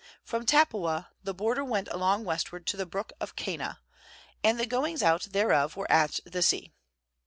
8From Tappuah the border went along westward to the brook of Kanah; and the goings out thereof were at the sea.